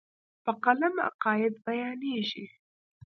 په قلم عقاید بیانېږي.